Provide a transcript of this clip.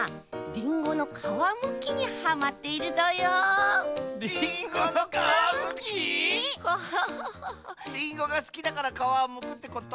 リンゴがすきだからかわをむくってこと？